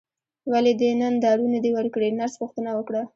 ولې دې نن دارو نه دي ورکړي نرس پوښتنه وکړه.